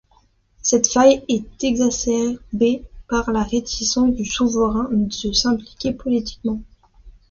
Cette faille est exacerbée par la réticence du souverain de s'impliquer politiquement.